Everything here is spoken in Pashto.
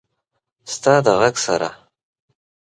ستا د ږغ سره…